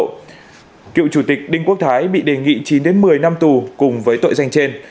cựu chủ tịch đinh quốc thái bị đề nghị chín một mươi năm tù cùng với tội danh trên